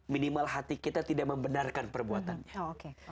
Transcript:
minimal hati kita tidak membenarkan perbuatannya